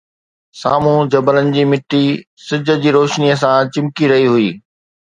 سامهون جبلن جي مٽي سج جي روشنيءَ سان چمڪي رهي هئي